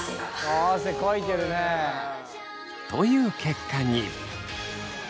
あ汗かいてるね！という結果に。